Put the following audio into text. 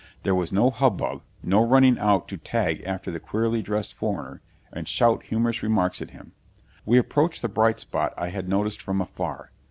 There was no hub bub, no running out to tag after the queerly dressed foreigner and shout humorous remarks at him. We approached the bright spot I had noticed from afar.